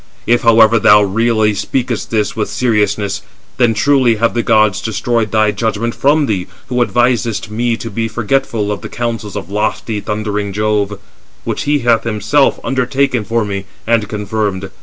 If, however, thou really speakest this with seriousness, then truly have the gods destroyed thy judgment from thee, who advisest me to be forgetful of the counsels of lofty thundering Jove, which he hath himself undertaken for me, and confirmed.